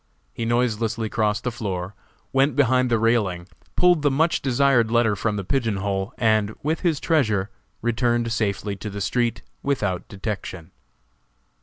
He noiselessly crossed the floor, went behind the railing, pulled the much desired letter from the pigeon hole and, with his treasure, returned safely to the street without detection.